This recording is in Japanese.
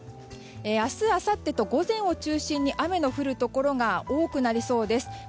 明日あさってと午前を中心に雨の降るところが多くなりそうです。